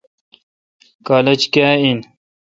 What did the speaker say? کالج کاں این۔